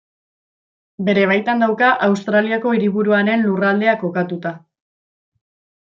Bere baitan dauka Australiako Hiriburuaren Lurraldea kokatuta.